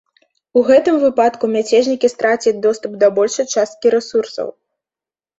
У гэтым выпадку мяцежнікі страцяць доступ да большай часткі рэсурсаў.